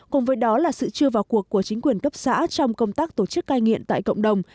cùng với đó là sự chưa vào cuộc của chính quyền cấp xã trong công tác tổ chức cai nghiện tại cộng đồng